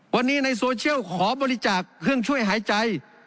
วันนี้ในโซเชียลขอบริจาคเครื่องช่วยหายใจ